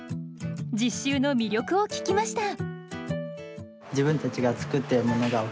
実習の魅力を聞きました。